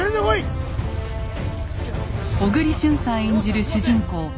小栗旬さん演じる主人公